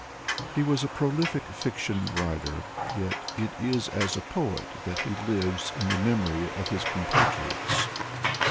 He was a prolific fiction writer, yet it is as a poet that he lives in the memory of his compatriots.